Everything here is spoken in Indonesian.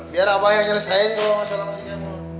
biar abah yang nyelesain masalah sama si kemon